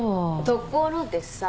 ところでさ。